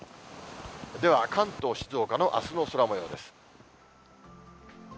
では、関東、静岡のあすの空もようです。